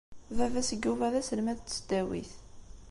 Baba-s n Yuba d aselmad n tesdawit.